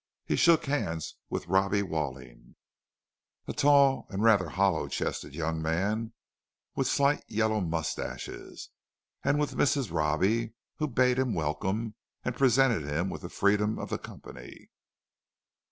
He shook hands with Robbie Walling, a tall and rather hollow chested young man, with slight yellow moustaches; and with Mrs. Robbie, who bade him welcome, and presented him with the freedom of the company.